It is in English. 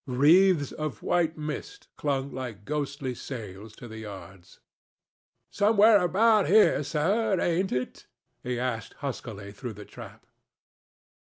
Wreaths of white mist clung like ghostly sails to the yards. "Somewhere about here, sir, ain't it?" he asked huskily through the trap.